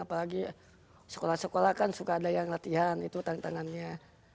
apalagi sekolah sekolah kan suka ada yang latihan itu tantangannya